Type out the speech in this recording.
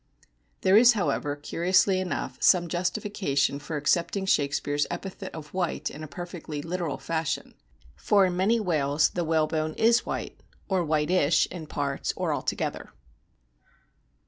There is, however, curiously enough, some justification for accepting Shakespeare's epithet of white in a perfectly literal fashion, for in many whales the whalebone is white, or whitish in parts or altogether.